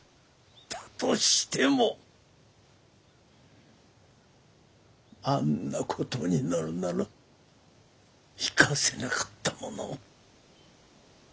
だとしてもあんなことになるなら行かせなかったものを。